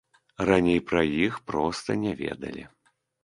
Раней пра іх проста не ведалі.